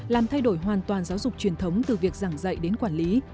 làm thay đổi hoàn toàn giáo dục truyền thống từ việc giảng dạy đến quản lý